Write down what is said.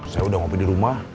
saya udah ngopi di rumah